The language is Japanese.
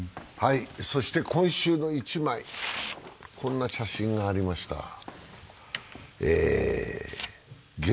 そして「今週の一枚」、こんな写真がありました。